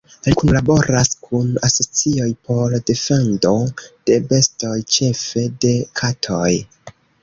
Li kunlaboras kun asocioj por defendo de bestoj, ĉefe de katoj.